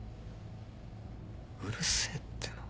うるせえっての。